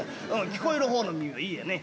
聞こえる方の耳がいいやね。